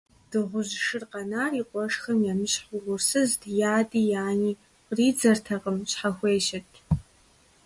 Дыгъужь шыр къэнар и къуэшхэм емыщхьу угъурсызт, и ади и ани къридзэртэкъым, щхьэхуещэт.